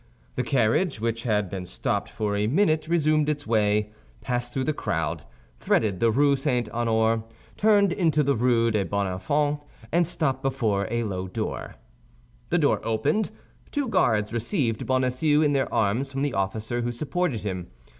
The carriage, which had been stopped for a minute, resumed its way, passed through the crowd, threaded the Rue St. Honoré, turned into the Rue des Bons Enfants, and stopped before a low door. The door opened; two guards received Bonacieux in their arms from the officer who supported him.